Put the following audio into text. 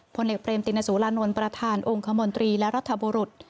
ผลเอกเรมตินสุรานนท์ประธานองค์คมนตรีและรัฐบุรุษ